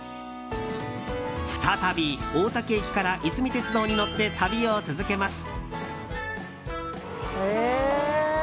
再び大多喜駅からいすみ鉄道に乗って旅を続けます。